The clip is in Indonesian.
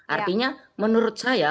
artinya menurut saya